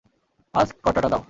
আজ কর্টাডা দাও।